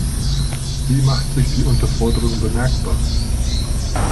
Wie macht sich die Unterforderung bemerkbar?